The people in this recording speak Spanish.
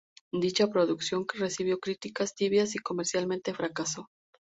Dicha producción recibió críticas tibias y comercialmente fracasó.